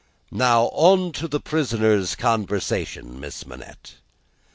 "Now, to the prisoner's conversation, Miss Manette."